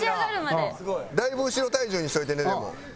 だいぶ後ろ体重にしといてねでも。